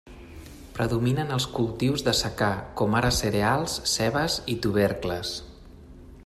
Predominen els cultius de secà com ara cereals, cebes i tubercles.